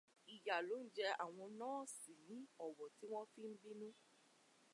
Ìyà ló ń jẹ àwọn nọ́ọ̀sì ní Ọ̀wọ̀ tí wọ́n fi ń bínú.